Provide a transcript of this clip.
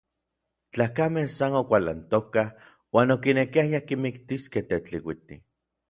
Tlakamej san okualantokaj uan okinekiayaj kimiktiskej Tetlikuiti.